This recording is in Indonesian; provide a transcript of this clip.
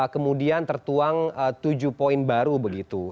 kemudian tertuang tujuh poin baru begitu